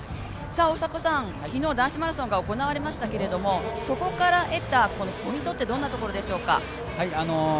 大迫さん、昨日、男子マラソンが行われましたけどそこから得たポイントってどんなところでしょうか。